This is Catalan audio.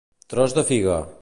Tros de figa.